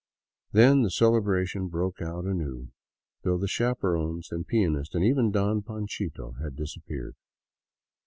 Then the celebration broke out anew, though the chaperons and pianist, and even " Don Panchito,'' had disappeared.